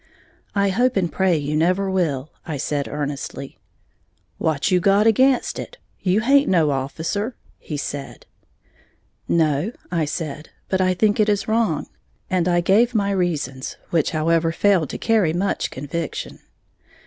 "I hope and pray you never will," I said, earnestly. "What you got again' it, you haint no officer," he said. "No," I said, "but I think it is wrong." And I gave my reasons, which, however, failed to carry much conviction.